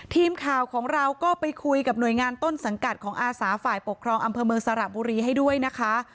ทีมข่าวของเราก็ไปคุยกับหน่วยงานต้นสังกัดของอาสาฝ่ายปกครองอำเภอเมืองสระบุรีให้ด้วยนะคะ